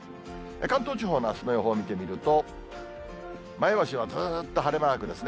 関東地方のあすの予報見てみると、前橋はずっと晴れマークですね。